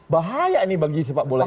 bahaya ini bagi sepak bola kita